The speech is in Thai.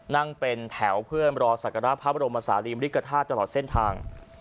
นั่งเป็นแถวเพื่อรอศักระพระบรมศาลีมริกฐาตุตลอดเส้นทาง